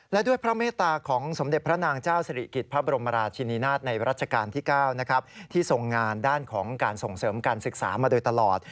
และด้วยพระเมตตาของสมเด็จพระนางเจ้าสิริกิจพระบรมราชินินาศในรัชกาลที่๙ที่ทรงงานด้านของการส่งเสริมการศึกษามาโดยตลอด